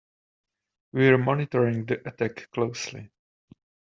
We're monitoring the attack closely.